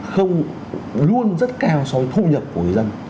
không luôn rất cao so với thu nhập của người dân